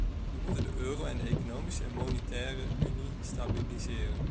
We moeten de euro en de economische en monetaire unie stabiliseren.